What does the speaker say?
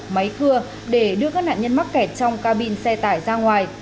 máy cưa để đưa các nạn nhân mắc kẹt trong ca bin xe tải ra ngoài